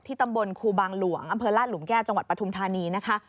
ตำบลครูบางหลวงอำเภอลาดหลุมแก้วจังหวัดปฐุมธานีนะคะ